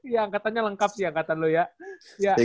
ya angkatannya lengkap sih angkatan lu ya